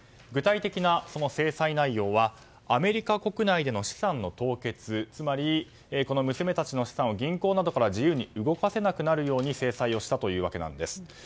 具体的な制裁内容はアメリカ国内での資産の凍結つまり、娘たちの資産を銀行などから自由に動かせなくなるように制裁をしたというわけなんです。